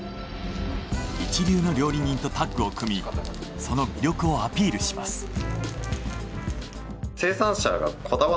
一流の料理人とタッグを組みその魅力をアピールします。